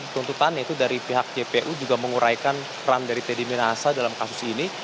tuntutan yaitu dari pihak jpu juga menguraikan peran dari teddy minahasa dalam kasus ini